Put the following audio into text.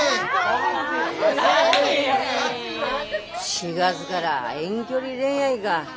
４月がら遠距離恋愛が。